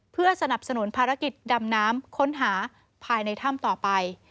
เพื่อสนับสนุนภารกิจดำน้ำค้นหาภายในถ้ำต่อไป